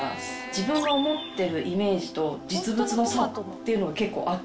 自分が思ってるイメージと実物の差っていうのが結構あって。